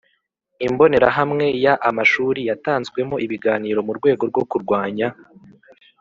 Imbonerahamwe Ya Amashuri Yatanzwemo Ibiganiro Mu Rwego Rwo Kurwanya